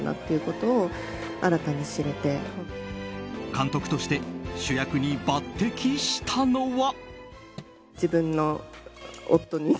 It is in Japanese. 監督として主役に抜擢したのは。